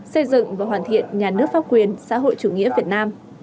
xây dựng và hoàn thiện nhà nước pháp quyền xã hội chủ nghĩa việt nam